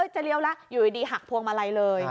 จะเลี้ยวแล้วอยู่ดีหักพวงมาลัยเลย